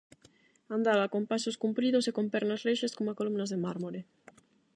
Andaba con pasos cumpridos e con pernas rexas coma columnas de mármore.